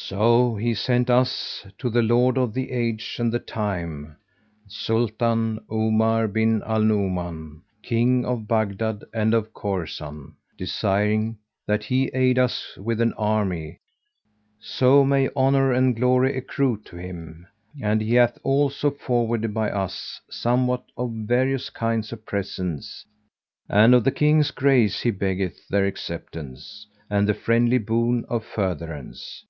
So he sent us to the Lord of the age and the time, Sultan Omar bin al Nu'uman, King of Baghdad and of Khorasan, desiring that he aid us with an army, so may honour and glory accrue to him; and he hath also forwarded by us somewhat of various kinds of presents, and of the King's grace he beggeth their acceptance and the friendly boon of furtherance."